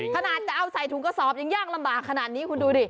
ขนาดจะเอาใส่ถุงกระสอบยังยากลำบากขนาดนี้คุณดูดิ